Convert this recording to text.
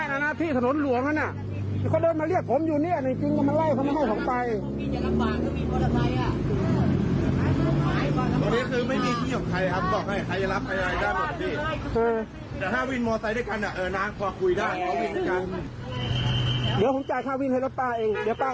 เอาเจ็บกี่บาทเดี๋ยวจ่ายให้เองแหม้งงล่ะสิ